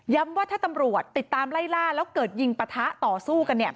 ว่าถ้าตำรวจติดตามไล่ล่าแล้วเกิดยิงปะทะต่อสู้กันเนี่ย